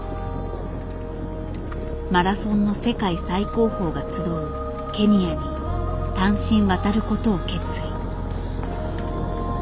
マラソンの世界最高峰が集うケニアに単身渡ることを決意。